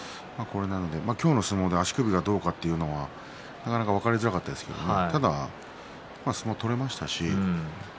今日の相撲で足首がどうか分かりづらかったですけどただ相撲が取れましたし